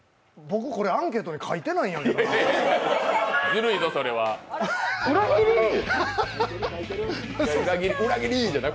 僕、これ、アンケートに書いてないんやけどな。